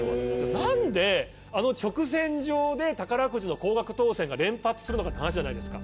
なんであの直線上で宝くじの高額当選が連発するのかって話じゃないですか。